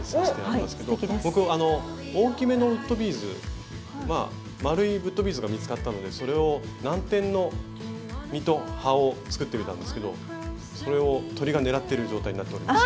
僕あの大きめのウッドビーズ丸いウッドビーズが見つかったのでそれをナンテンの実と葉を作ってみたんですけどそれを鳥が狙ってる状態になっております。